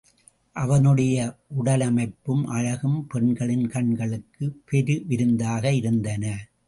அவனுடைய உடலமைப்பும் அழகும் பெண்களின் கண்களுக்குப் பெருவிருந்தாக இருந்தன.